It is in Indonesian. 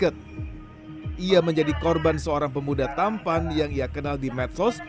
dia menjadi korban seorang pemuda tampan yang ia kenal di medsos